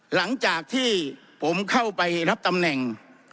หลังจากที่ผมเข้าไปรับตำแหน่ง